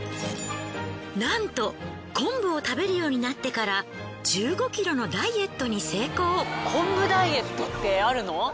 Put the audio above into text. なんと昆布を食べるようになってから１５キロの昆布ダイエットってあるの？